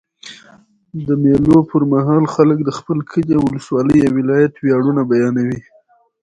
د مېلو پر مهال خلک د خپل کلي، اولسوالۍ یا ولایت ویاړونه بیانوي.